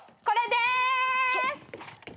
これです！